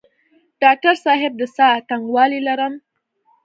ډاکټر صاحب د ساه تنګوالی لرم؟